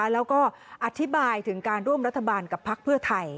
แล้วก็อธิบายถึงการร่วมรัฐบาลกับพักเพื่อไทย